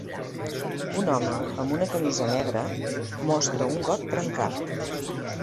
Un home amb una camisa negra mostra un got trencat.